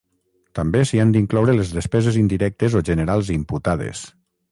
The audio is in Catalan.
També s'hi han d'incloure les despeses indirectes o generals imputades.